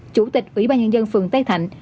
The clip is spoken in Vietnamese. chủ tịch ủy ba nhân dân phường tây thạnh